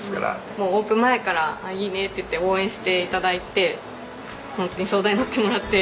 もうオープン前からいいねって言って応援して頂いてホントに相談にのってもらって。